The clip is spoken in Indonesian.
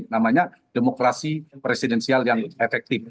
namanya demokrasi presidensial yang efektif